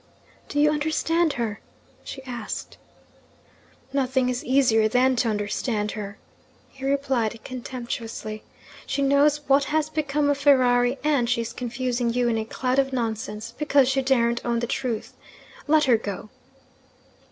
'Do you understand her?' she asked. 'Nothing is easier than to understand her,' he replied contemptuously. 'She knows what has become of Ferrari; and she is confusing you in a cloud of nonsense, because she daren't own the truth. Let her go!'